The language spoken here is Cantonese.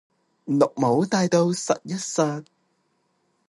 綠帽戴到實一實